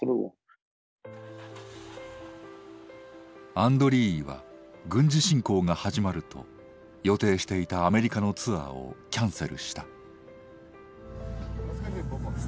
アンドリーイは軍事侵攻が始まると予定していたアメリカのツアーをキャンセルした。